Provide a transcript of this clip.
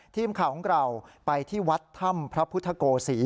ทีมข่าวของเราไปที่วัดถ้ำพระพุทธโกศี